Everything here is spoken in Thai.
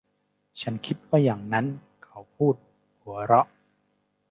ฉันคิดว่าอย่างนั้น เขาพูด หัวเราะ